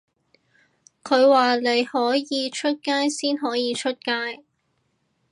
佢話你可以出街先可以出街